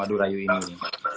aduh rayu ini